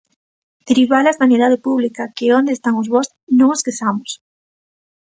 Derivala á sanidade pública, que é onde están os bos, non o esquezamos.